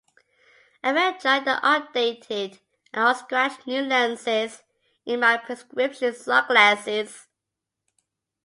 I'm enjoying the updated and unscratched new lenses in my prescription sunglasses.